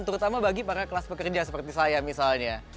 terutama bagi para kelas pekerja seperti saya misalnya